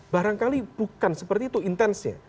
barangkali bukan seperti itu intensnya